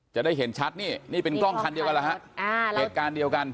จะได้เห็นชัดนี่นี่เป็นกล้องคันเดียวกันแล้วฮะเหตุการณ์เดียวกัน